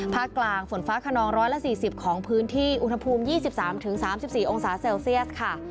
กลางฝนฟ้าขนอง๑๔๐ของพื้นที่อุณหภูมิ๒๓๓๔องศาเซลเซียสค่ะ